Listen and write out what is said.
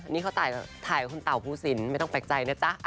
นี่เขาถ่ายคุณเต่าภูสินไม่ต้องแปลกใจนะจ๊ะ